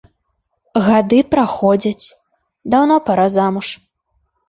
Гады праходзяць, даўно пара замуж.